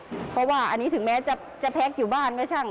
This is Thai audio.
เพราะว่าอันนี้ถึงแม้จะแพ็คอยู่บ้านก็ช่าง